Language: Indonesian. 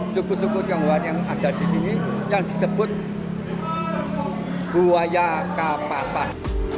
suku suku tionghoa yang ada di sini yang disebut buaya kapasan